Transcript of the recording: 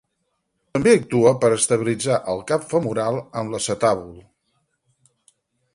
També actua per estabilitzar el cap femoral en l'acetàbul.